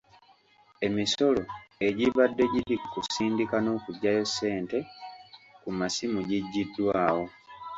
Emisolo egibadde giri ku kusindika n'okuggyayo ssente ku masimu gigyiddwawo.